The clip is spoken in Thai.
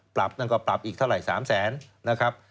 ปรับนั่นก็ปรับอีกเท่าไหร่๓แสน